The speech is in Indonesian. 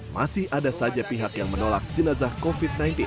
masih ada saja pihak yang menolak jenazah covid sembilan belas